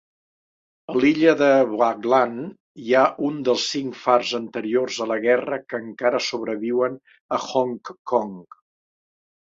A l'illa de Waglan hi ha un dels cinc fars anteriors a la guerra que encara sobreviuen a Hong Kong.